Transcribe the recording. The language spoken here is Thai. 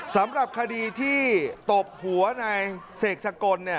สำหรับคดีที่ตบหัวในเสกสกล